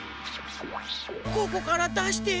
ここからだして。